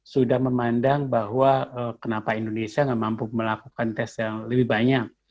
sudah memandang bahwa kenapa indonesia tidak mampu melakukan tes yang lebih banyak